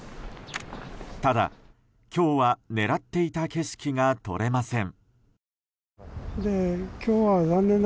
ただ、今日は狙っていた景色が撮れません。